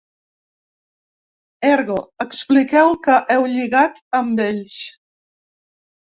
Ergo, expliqueu què heu lligat amb ells.